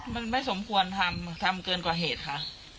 มันไม่สมควรทำทำเกินกว่าเหตุค่ะ